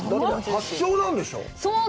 発祥なんでしょう？